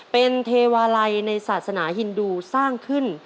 เป็นเทวาลัยในศาสนาฮินดูสร้างขึ้น